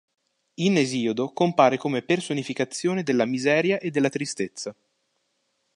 In Esiodo compare come personificazione della miseria e della tristezza.